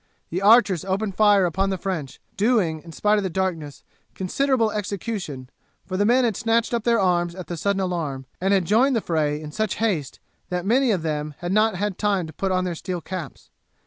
The archers opened fire upon the French, doing, in spite of the darkness, considerable execution, for the men had snatched up their arms at the sudden alarm, and had joined the fray in such haste that many of them had not had time to put on their steel caps.